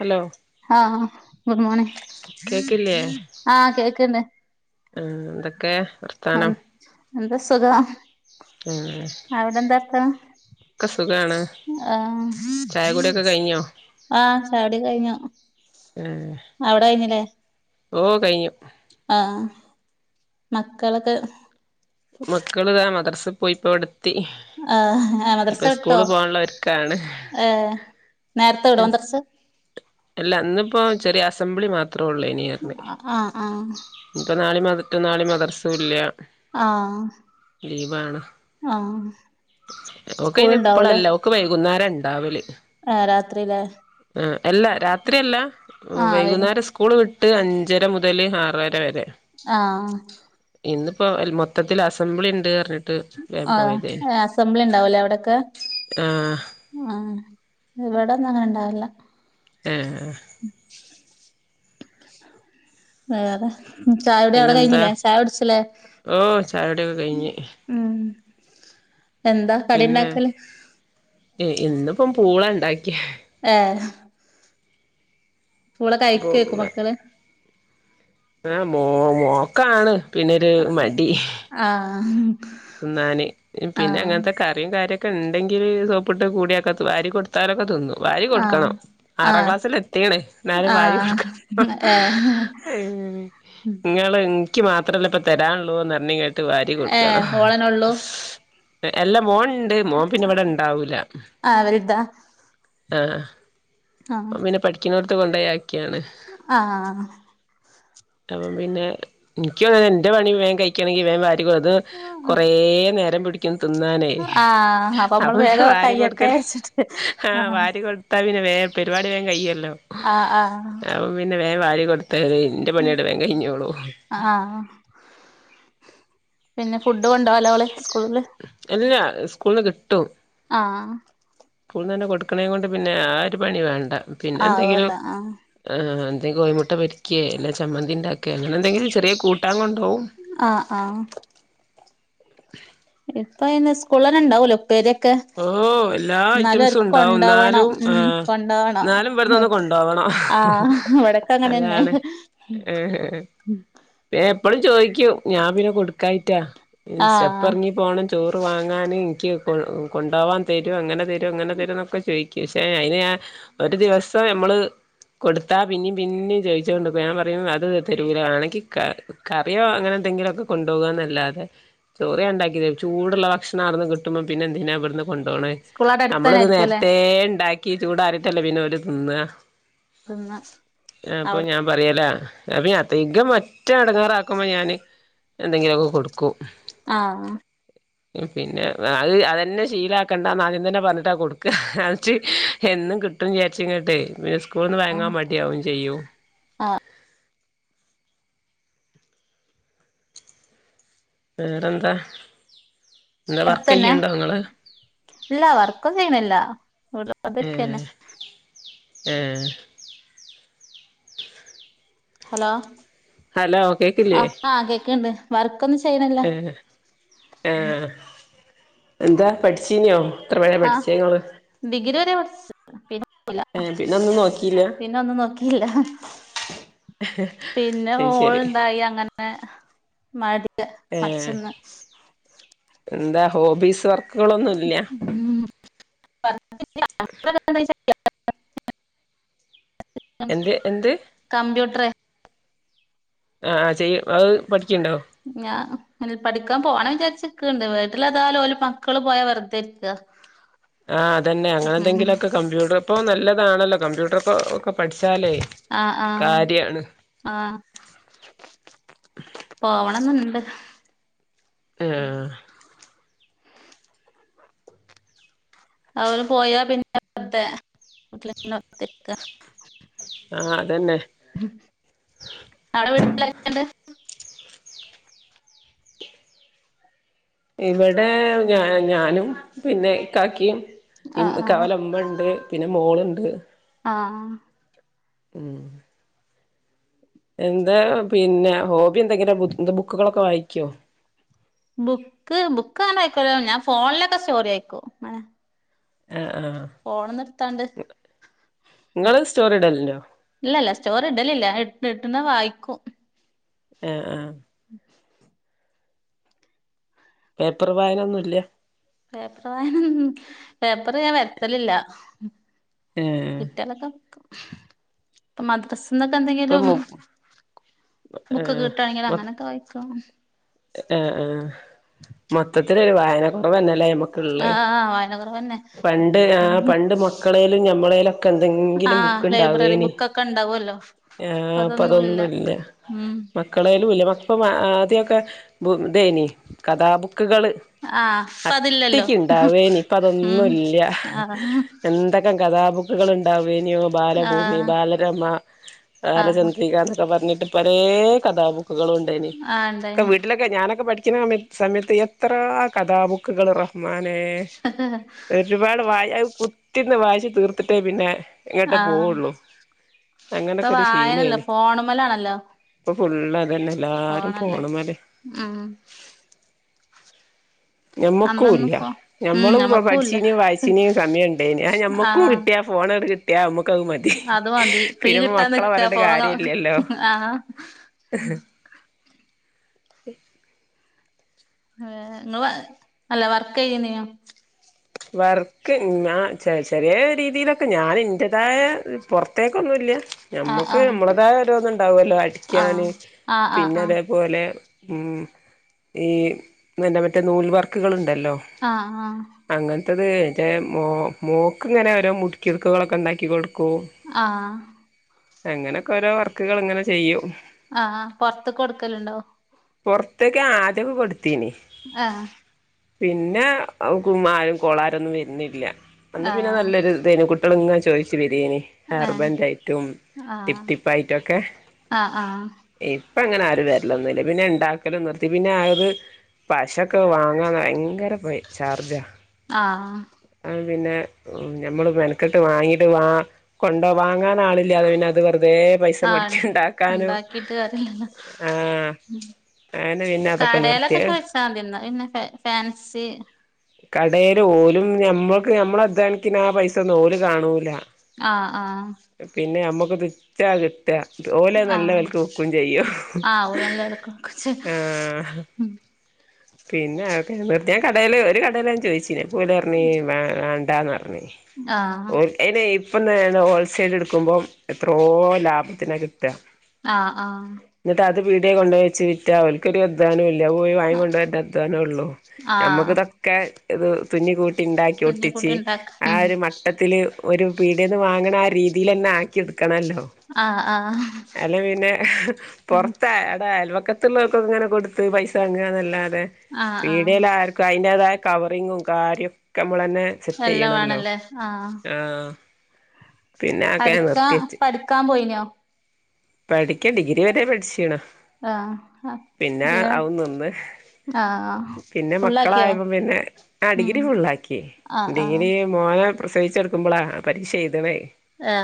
Hello ആഹ് good morning ആഹ് കേക്ക്ണ്ട്. ഉം എന്തൊക്കെ വർത്താനം എന്താ സുഖം ആ അവിടെ എന്താക്ക ഒക്കെ സുഖാണ് ആ ചായ കുടിയൊക്കെ കഴിഞ്ഞോ ആ ചായുടി കഴിഞ്ഞു ആ അവിടെ കഴിഞ്ഞില്ലേ ഓ കഴിഞ്ഞു ആഹ് മക്കളൊക്കെ മക്കൾ ദാ മദ്രസിൽ പോയിപ്പോ ഇവിട് ആഹ് ആഹ് മദ്രസ വിട്ടോ പോകാനുള്ള ഒരുക്കാണ് ഏഹ് നേരത്തെ വിടോ മദ്രസ അല്ല ഇന്നിപ്പോ ചെറിയ അസംബ്ലി മാത്രമൊഉള്ളൂനിറിഞ്ഞ് ആഹ് ആഹ് ഇ നാളി മതട്ടും നാളി മദ്രസവും ഇല്ല ആ ഓക്കെ ഇനി ഇപ്പളല്ല ഒക്കെ വൈകുന്നേരംണ്ട് ഏഹ് രാത്രില്ലേ ആ അല്ല രാത്രിയല്ല ആഹ് വരും വൈകുന്നേരം സ്കൂൾ വിട് എട്ട് അഞ്ചര മുതൽ ആറര വരെ ആഹ് ഇന്നിപ്പോ മൊത്തത്തിൽ അസംബ്ലി ഇണ്ട് പറഞ്ഞി ആ അസംബ്ളി ഉണ്ടാവലോ അവിടൊക്കെ ആഹ് ആ ഇവിടൊന്നും അങ്ങനെ ഇണ്ടാവില്ല ഉം [inaudible] വേറെ ചായുടി അവിടെ പിന്നെന്താ കഴിഞ്ഞില്ലേ ചായ കുടിച്ചില്ലേ ഓ ചായുടിയൊക്കെ കഴിഞ്ഞ് ഉം എന്താ പിന്നെ കടിയുണ്ടാക്കല് ഇന്നിപ്പം പൂള ഉണ്ടാക്കിയ ആഹ് പൂള അപ്പൊ കഴക്കൊക്കും മക്കള് ആഹ് മോ മോക്കാണ് പിന്നൊരു മടി ആഹ് ന്നാൻ പിന്നെ ആഹ് അങ്ങനത്തെൊക്കെ കറിയും കാര്യൊക്കെ ഒക്കെ ഉണ്ടെങ്കിൽ സോപ്പിട്ട് കൂടിയാക്കാത്ത വാരി കൊടുത്താലൊക്കെ തിന്നും വാരി കൊടുക്കണം ആഹ് ആറാം ക്ലാസ്സിൽ എത്തിക്ക്ണേ എന്നാലും ആഹ് വാരി ആഹ് കൊടുക്കണം ഏ ഉം ങ്ങള് എനിക്ക് മാത്രല്ലേ ഇപ്പൊ തരാനുള്ളൂന്നറിഞ്ഞ് അള്ളൂ അല്ലാ മോൻണ്ട് മോൻ പിന്നെ ഇവിടെണ്ടാവൂല ആ അവരിതാ ആഹ് ആഹ് അവൻ പിന്നെ പഠിക്കുന്നോടത്ത് കൊണ്ടൊയാക്ക് ആഹ് അപ്പം പിന്നെ എനിക്ക് ങ്ങനെ എന്റെ പണി വേൻ കഴിക്കണെങ്കിൽ വേൻ വാരികൊട്ത് കുറേ നേരം പിടിക്കും തിന്നാൻ ആഹ് അപ്പൊ നമ്മള് പിന്നെ വേഗം വാരി കയ്യട്ടെ കൊടുക്കല് വിചാരിച്ചിട്ട് ഹാ ആഹ് വാരി കൊടുത്ത പിന്നെ വേം പരിപാടി വേം കയ്യല്ലോ ആഹ് ആഹ് അപ്പ പിന്നെ വേം വാരി കൊടു ത്ത എന്റെ പണിയങ്ങട് വേം കഴിഞ്ഞോളും ആഹ് [inaudible] സ്കൂളിൽ കിട്ടും ആഹ് നന്നെ കൊടുക്കണേ കൊണ്ട് പിന്നെ ആ ഒരു പണി വേണ്ട പിന്നെ ആഹ് അത് എന്തെങ്കിലും വേണ്ട ആഹ് ഒന്നങ്കി കോയിമുട്ട പൊരിക്കേ അല്ലെ ചമ്മന്തിണ്ടാക്കേ അങ്ങനെന്തെങ്കിലും ചെറിയ കൂട്ടാൻ കൊണ്ട് ആ ആ ഇപ്പം പിന്നെ സ്കൂൾ തന്നെ ഉണ്ടാവല്ലോ ഉപ്പേരിയൊക്കെ ഓ എല്ലാ എന്നാലും ഐറ്റംസും അവർക്ക് ഉണ്ടാവും കൊണ്ടാവണം എന്നാലും ഉം ആഹ് കൊണ്ടാവണം എന്നാലും ഇവിടന്നൊന്ന് കൊണ്ടോവണം ആഹ് വടക്കെ അങ്ങനെന്നെ അതാണ് പ്പളും ചോയ്ക്കും ഞാം പിന്നെ കൊട്ക്കായിട്ടാ ഇൻ ആഹ് സ്റ്റെപ്പെർങ്ങി പോണം ചോറ് വാങ്ങാന് എനിക്ക് [unintelligible] കൊണ്ടോവാൻ തെരോ അങ്ങനെ തെരോ ഇങ്ങനെ തെരോ ന്നൊക്കെ ചോയ്ക്കും പക്ഷെ അയ്ന് ഞാൻ ഒരു ദിവസം അമ്മള് കൊട്ത്താ പിന്നിം പിന്നിം ചോയിച്ചോണ്ട്ക്കും ഞാം പറിം അത് തെരൂല വേണെങ്കി ക കറിയോ അങ്ങനെ എന്തെങ്കിലൊക്കെ കൊണ്ടോവന്നല്ലാതെ ചോറ് ഞാനി ണ്ടാക്കി തരു ചൂടുള്ള ഭക്ഷണം അവ്ട്ന്ന് കിട്ട്മ്പോ പിന്നെന്തിനാ ഇവ കൊണ്ടോണെ സ്കൂളവിടെ നമ്മള് അടുത്തന്നെ ത് ആയിരിക്കൂല്ലേ നേരത്തേ ഇണ്ടാക്കി ചൂടാറിട്ടല്ലേ പിന്നെ ഓല് തിന്ന തിന്ന അപ്പൊ അവിടെ ഞാൻ പറ്യെല അപ്പൊ അധികം മറ്റെ എടങ്ങേറാക്കുമ്പോ ഞാന് എന്തെങ്കിലൊക്കെ കൊട്ക്കും ആഹ് പിന്നെ അത് അതെന്നെ ഷ് ശീലാക്കണ്ടാന്ന് ആദ്യം തന്നെ പർഞ്ഞിട്ടാ കൊട്ക്ക അത് ച്ച് എന്നും കിട്ടും വിചാര്ച്ച് ങ്ങ് ട്ടെ പിന്നെ സ് സ്കൂൾന്ന് ആഹ് വാങ്ങാൻ മട്യാവും ചെയ്യും. വേറെന്താ? എന്താ അടുത്തന്നെ വർക്കെയ്യ്ണ്ടോ ഇങ്ങള് വീട്ടില് വെർതെര്ക്കെന്നെ. ഏഹ് ഹലോ ഹലോ കേക്കില്ലേ ആഹ് ആഹ് കേക്ക്ണ്ട് വർക്കൊന്നും ചെയ്യ്ണില്ല. ആഹ് എന്താ പഠ്ച്ചീന്യോ? ആഹ് ഡിഗ്രി വരെ പഠിച്ച് പിന്നെ ഏ [unintelligible] പിന്നെ ഒന്നും നോക്കിയില്ല പിന്നൊന്നും നോക്കില്ല. പിന്നെ അത് ശരി മോൾണ്ടായി അങ്ങനെ മടി [unintelligible] ഏ മട്ന്ന് എന്താ ഹോബീസ് വർക്ക് ക്കേളൊന്നുല്ല ഉം എന്തെ എന്ത് കമ്പ്യൂട്ട്രർ ആഹ് ചെയ്യ് അഹ് പഠിക്ക്യ്ണ്ടോ ഞാ പഠിക്കാ പോആണെ വിചാരിച്ച്ക്ക്ണ്ട് വീട്ട്ല് ഏതാലോല് മക്കള് പോയാ വെറ്തെ ഇരിക്ക ആഹ് അതന്നെ അങ്ങനെ ഉം എന്തെങ്കിലൊക്കെ കമ്പ്യൂട്ടർ ഇപ്പൊ നല്ലതാണല്ലോ കമ്പ്യൂട്ടർ ഒക്കെ പഠിച്ച് ആഹ് ആഹ് ആഹ് പോവണം അങ്ങനെ ഇണ്ട് ആ അവര് പോയാ പിന്നെ [unintelligible] തേ വീട്ടില് ഇങ്ങനെ [unintelligible] ആ അതന്നെ ഉം ആഹ്ടെ വീട്ട് [unintelligible] ഇണ്ട് ഇവടെ ഞാ ഞാനും പിന്നെ ഇക്കാക്കിം പിൻ ആഹ് നിക്ക ആഹ് ഓലെ ഇമ്മണ്ട് പിന്നെ മോള്ണ്ട് ഉം ഉം എന്താ പിന്നെ ഹോബി എന്തെങ്കിലും എന്താ ബുക്കുകളൊക്കെ വായിക്കോ ബുക്ക് ബുക്ക് അങ്ങനെ വായിക്കേല്ല ഞാൻ ഫോണിലൊക്കെ സ്റ്റോറി വായിക്കും ഇങ്ങനെ ആ ആ പോണം നിർത്താണ്ട് നിങ്ങള് സ്റ്റോറി ഇടലുണ്ടോ ഇല്ലല്ല സ്റ്റോറി ഇടലില്ല ഞാൻ ഇ ഇടുന്നെ വായിക്കും ആഹ് ആഹ് പേപ്പർ വായനൊന്നും ഇല്ലേ പേപ്പർ വായന പേപ്പർ ഞാൻ വരുത്തലില്ല ഏ കിട്ടിയാലൊക്കെ ഇപ്പ മദ്രസ് ന്നൊക്കെ ഇപ്പം എന്തെങ്കിലും മു ഏ ബുക്കെക്കെ കിട്ടയാണെങ്കിലിൽ മൊ അങ്ങനൊക്കെ വായ്ക്കും ആഹ് ആഹ് മൊത്തത്തിലൊരു വായന കുറവന്നല്ലേ ആഹ് ആഹ് വായന കുറവന്നെ പണ്ട് അഹ് പണ്ട് മക്കളെലും ഞമ്മളെലും ഒക്കെ ക്കെ എന്തെങ്കിലും ആഹ് ബുക്ക് ലൈബ്രറി ഇണ്ടാവേന് ബുക്കൊക്കെ ഉണ്ടാവല്ലോ ഇപ്പ ആഹ് ഇപ്പൊ അതൊന്നുല്ല അതൊന്നുംല്ല ഉം മക്കളേലും ഇല്ല ഇപ്പ ആദ്യൊക്കെ ഇതേന് കഥാബുക്കുകള് ആഹ് ഇപ്പ അതില്ലല്ലോ അട്ടക്കുണ്ടാവേനി ഇപ്പ അതൊന്നും ഉം ഇല്യാ ആഹ് എന്തൊക്കെ കഥാബു മക്കുക്കൾണ്ടാവേന ബാലഭൂമി ആഹ് ബാലരമ ആഹ് ബാലചന്ദ്രിക എന്നൊക്കെ പറഞ്ഞിട്ട് ഇതിപരേ കഥാബുക്കുകള് ഉണ്ടെന്ന് ആഹ് ഇണ്ടായിനി ഞാനൊക്കെ പഠിച്ചിന്ന സമയത്ത് എത്ര കഥാബുക്കുകള് [unintelligible] മോ പിന്ന പ്രിൻസിപ്പള് വായ കുത്തി പിന്ന് വാശി തീർത്തിട്ടേ പിന്നെ ഇങ്ങോട്ടേ ആഹ് പോവുള്ളു ഇപ്പൊ വായനല്ലോ ഫോണുമെല്ലന്ന് ഇപ്പൊ ഫുള്ള് അതന്നെലല്ല എല്ലാരും ഫോണുമേല്ല് ഉം അന്നൊന്നും ഞമ്മക്കുല്ല ഇപ്പോ ഉം ഞമ്മളും ഈ ഞമ്മക്കൂല്ല പഠിച്ചീനേും വായിച്ചിനേും സമയം ഉണ്ടേന് ഞമ്മക്കും ആഹ് കിട്ടിയ ഫോൺ ഓക്കമതി അത് മതി ഫ്രീ തിരുമ്പോ കിട്ടാൻ മക്കളെ നിക്ക പറഞ്ഞിട്ട് പോകാ കാര്യല്ലല്ലോ ആഹ് ഏ നിങ്ങള് അല്ല വർക്ക് ചെയുന്നിയ വർക്ക് ഞാൻ ചെറിയ രീതിയിലൊക്കെ ഞാൻ എന്റെത്തയ പോറത്തേക്കൊന്നുല്ല ആഹ് ഞമ്മക്ക് നമ്മളേതായ ഓരോന്ന് ഇണ്ടാവുല്ലോ ആഹ് അടിക്കാന് ആഹ് ആഹ് പിന്നെ ആഹ് അതേപോലെ ഈ നല്ല മറ്റേ നൂൽ വർക്കുകള്ള് ഉണ്ടല്ലോ ആ ആ അങ്ങനത്തത് എന്റെ മോ മോക്ക് ഇങ്ങനെ ഓരോ മുടിക്കികളൊക്കെ ഉണ്ടാക്കി കൊടു ആ അങ്ങനെയൊക്കെ ഓരോ വർക്കുകള്ള് ഇങ്ങനെ ചെയ്യും ആഹ്ആഹ് പൊറത്ത് കൊടുക്കലുണ്ടോ പുറത്തേക്ക് ആദ്യക്കെ കൊടുത്തീന് ആ പിന്നെ [unintelligible] കോളാരൊന്നും വരുന്നില്ല അന്ന് പിന്നെ ആഹ് നല്ലൊരു ഇതെന്ന് തുറന്നുവച്ച് കഴിച്ച് ബിരിയാണി ഏഹ് ഹെർബന്റെയിറ്റും ടിപ്പ് ആഹ് ടിപ്പായിട്ടും ഒക്കെ ആഹ് ആഹ് ഇപ്പ അങ്ങനെ ആരും വരല്ല് ഒന്നുല്ല എപ്പോ പിന്നെ ഇണ്ടാക്ക കല്ല് നിർത്തി പിന്നെ അത് പശൊക്കെ വാങ്ങാൻ ഭയങ്കര ചാർജാ ആ ഞമ്മള് മെന വാങ്ങീട്ട് വാ കൊണ്ടുവാങ്ങാൻ ആളില്ലാത് പിന്നെ അത് അതേ പൈസ ആഹ് മുടക്കിണ്ടാക്കാനും ഇണ്ടാക്കിട്ട് ആ അങ്ങനെ പിന്നെ അതൊക്കെ കടലൊക്കെ നിർത്തിയ ചോദിച്ചാതിന്ന് പിന്നെ ഫാൻസി കടേല്ല് ഓലും ഞമ്മൾക്ക് നമ്മളതാണിക്ക് ഞാൻ പൈസ ഒന്നും ഓല് കാണൂല ആ ആ [unintelligible] ഓല് നല്ല ആഹ് വൽക്ക്കൊക്കും ചെയ്യും ആഹ് ഓല് നല്ല വെലക്കൊടുക്കും ആ ചെയ്യും പിന്നെ ഓക്കെ നീർത്തി ഞാൻ കടല്ല് ഒരു കടയില് ഞാൻ ചോയിച്ചെന്ന് പൂല പറഞ്ഞ് വണ്ടാന്ന് പറഞ്ഞ് ആഹ് ഓക്കെ എന്നെ ഇപ്പ [unintelligible] ഹോൾസെയിൽ എടുക്കുമ്പോം എത്രയോ ലാഭത്തിന് ആ ആ അത് വിടെ കൊണ്ട് വെച്ച് വിറ്റ അവൾക്കൊരു [unintelligible] ല്ല പോയി വ വായിക്കൊണ്ട് അധ്വാനം ഉള്ളൂ നമുക്ക് ആഹ് ഇതൊക്കെ ഇത് തുന്നി കൂ ട്ടിണ്ടാക്കി കുഞ്ഞിക്കുട്ടി ഒട്ടിച്ച് ഉണ്ടാക്ക ആ ഉം ഒരു വട്ടത്തില് ഒരു വീടന്ന് വാങ്ങണ ആ രീതിയില്ലന്നെ ആക്കിയത് ക്കണല്ലോ ആഹ് ആഹ് അല്ല പിന്നെ പുറത്തട അൽവക്കത് [unintelligible] ഇങ്ങനെ കൊടുത്ത് പൈസ അങ്ങന്നല്ലാതെ ആഹ് ആഹ് വീടിൽ ആർക്കും ആയിന്റെതായ കവറിങ്ങും കാര്യക്കെ നമ്മളാന്നെ സെറ്റ് എല്ലാം ചെയ്യണല്ലോ വേണല്ലേ ആഹ് ആ പിന്നെ ഓക്ക ഞാൻ പഠിക്കാ നിർത്തിച്ച് പഠിക്കാൻ പോയിനോ പഠിക്കാ ഡിഗ്രി വരെ പഠിച്ചീണ് ആഹ് പിന്നെ ആ നിന്ന് ആഹ് പിന്നെ ഫുള്ളാക്കിയോ മക്കളായപ്പോ വിന്നെ ആ ഉം ഡിഗ്രി ഫുള്ളാക്കി ആഹ് ആഹ് ഡിഗ്രി മോനെ പ്രസവിച്ചെടുക്കുമ്പോളാ പരീക്ഷ എഴുതുന്നത് ആ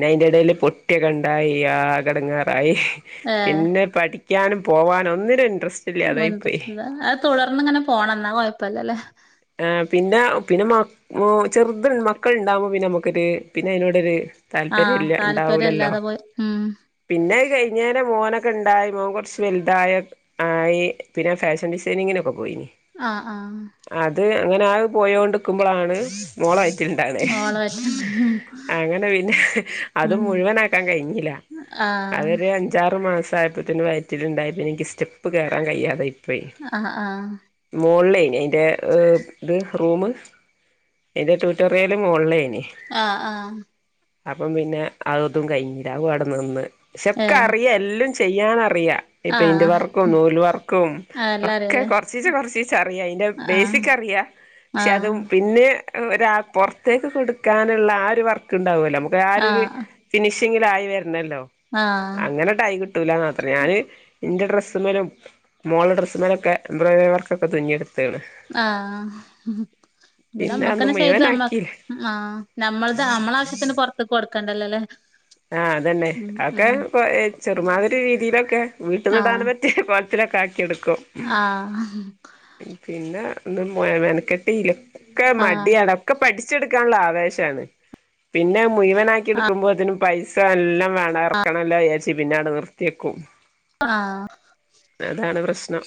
പിന്നെ അതിന്റെ ഇടേൽ പൊട്ടി കണ്ടാൽ ആകെ എടങ്ങേറായി ഏഹ് പിന്നെ പഠി ക്ക്യാനും പോവാനും ഒന്നിനും ഇൻട്രസ്റ്റ് [unintelligible] ഇല്ലാതായിപ്പോയി അത് തുടർന്ന് ഇങ്ങനെ പോണം എന്നാ കൊഴപ്പല്ലല്ലേ ആ പിന്നെ പിന്നെ മ ചെറുത് മക്കൾ ഉണ്ടാവോ പിന്നെ നമുക്കൊരു പിന്നെ അതിനോടൊരു ആഹ് താല്പര്യംല്ല താല്പര്യം ഉണ്ടാവൂലല്ലോ ഇല്ലാതെ പോയി ഉം പിന്നെ കഴിഞ്ഞോല് മോനൊ കൊണ്ടായി മോൻ കുറച്ച് വെലുതായ ആയി പിന്നെ ഫാഷൻ ഡിസൈനിങ്ങിനൊക്കെ പൊ ആഹ് ആഹ് അത് അങ്ങനെ ആ പോയോണ്ടിക്കുമ്പോഴാണ് മോളാവയിറ്റിലുണ്ടായത് മോളെ പറ്റി അങ്ങനെ പിന്നെ ഉം അതും ഉം മുഴുവനാക്കാൻ കഴിഞ്ഞില്ല ആഹ് അവർ അഞ്ചാറു മാസം ത്തിന് വയറ്റിലുണ്ടായപ്പോ എനിക്ക് സ്റ്റെപ്പ് കേയറാൻ കഴിയാതെ ആയിപൊയി ആഹ് ആഹ് മോള്ലേ അതിന്റെ ഇത് റൂമ് അതിന്റെ ട്വൂറ്ററിയലും മൊള്ലേന് ആഹ് ആഹ് അപ്പം പിന്നെ അതും കഴിഞ്ഞില അഉം അടെ നിന്ന് ക്ഷെക്ക ഏഹ് അപെത്ത്യേക്ക് എല്ലും ചെയ്യാൻ അറിയ ഈ പെയിന്റ് ആഹ് വർക്കും നൂല് വർക്കും ആഹ് എല്ലാം ഒക്കെ അറിയാല്ലേ കൊറച്ചീച്ച കൊറച്ചീച്ച അറിയ അതിന്റെ ആഹ് ബേസിക് അറിയ പക്ഷെ അതും ആഹ് പിന്നെ ഒരാൾ പോർത്തേക്കൊക്കെ ഇടുക്കാൻ ഉള്ള ആഹ് ഒരു വർക്ക് ബണ്ടാവൊല്ലൊ അമുക്ക് ആര് [unintelligible] ആഹ് [unintelligible] ൽ ആയി വരണല്ലോ ആഹ് അങ്ങനെ ട്ടൈം കിട്ടുല മാത്രേ ഞാന് എന്റെ ഡ്രസ്സ്മലും മോള ഡ്രസ്സ്മലൊക്കെ എംബ്രോഡറി വർക്ക് ഒക്കെ തുന്നിയടു. ത് ആഹ് പിന്നെ പിന്നെ അന്ന് നമ്മക്കന്നെ ചെയ്ത് നമ്മ മുഴുവനാക്കിയില്ല ആ നമ്മൾ നമ്മള ആവശ്യത്തിന് പുറത്ത് കൊടുക്ക കണ്ടല്ലല്ലേ ആഅതന്നെ അതൊക്കെ ചെറുമാതിരി രീതിയിലൊക്കെ ആഹ് വീട്ടന്നിടാനൻ പറ്റിയ കൊല കെട്ക്കും ആഹ് ഉം പിന്നെ [unintelligible] പോ മെനക്കെട്ടിയില്ല ഒക്കെ ആഹ് മടിയടൊക്കെ പഠിച് ചെടുക്കാനുള്ള ആവേശമാണ് പിന്നെ മുഴവനാക്കി എടുക്കുമ്പോതിനും പൈസ എല്ലാം വേണം എറക്കണേല്ലോ ഏബ് സി പിന്നെ ഔടെ നിർത്ത്യെക്കും ആ അതാണ് പ്രശ്നം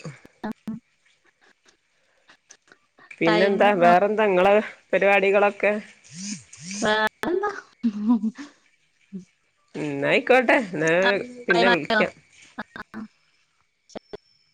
ടൈമ് പിന്നെന്താ നോ വേറെന്താ നിങ്ങളാ പരിപാടികളൊക്കെ വേറന്താ ഉം എന്ന ആയിക്കോട്ടെ എന്നാ പിന്നെ വിളിക്കാം [unintelligible]